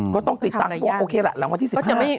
ก็ต้องติดตามเพราะว่าโอเคล่ะหลังวันที่๑๕